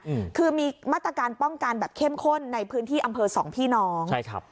อืมคือมีมาตรการป้องกันแบบเข้มข้นในพื้นที่อำเภอสองพี่น้องใช่ครับ